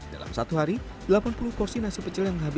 dalam satu hari delapan puluh porsi nasi pecel yang habis